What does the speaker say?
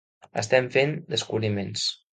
Estem fent descobriments.